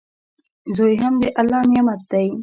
زوی هم د الله نعمت دئ.